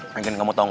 mungkin kamu tau gak